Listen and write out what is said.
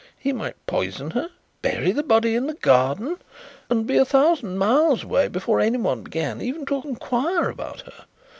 He might poison her, bury the body in the garden, and be a thousand miles away before anyone began even to inquire about her.